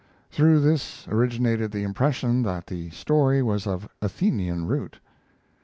Through this originated the impression that the story was of Athenian root.